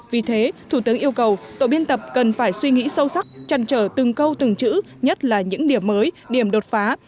vì thế thủ tướng yêu cầu tổ biên tập cần phải suy nghĩ sâu sắc chăn trở từng câu từng chữ nhất là những điểm mới điểm đột phá